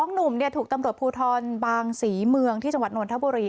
หนุ่มถูกตำรวจภูทรบางศรีเมืองที่จังหวัดนทบุรี